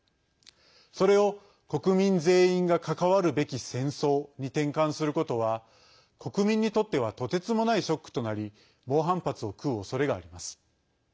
それを国民全員が関わるべき戦争に転換することは国民にとってはとてつもないショックとなり猛反発を食うおそれがあります。